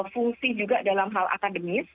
fungsi juga dalam hal akademis